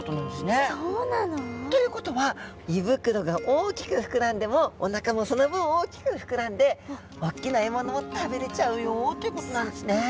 そうなの。ということは胃袋が大きく膨らんでもお腹もその分大きく膨らんで大きな獲物も食べれちゃうよっていうことなんですね。